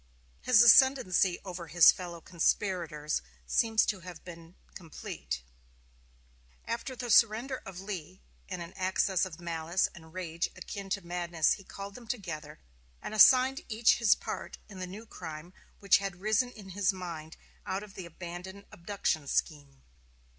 His ascendancy over his fellow conspirators seems to have been complete. After the surrender of Lee, in an access of malice and rage akin to madness he called them together and assigned each his part in the new crime which had risen in his mind out of the abandoned abduction scheme.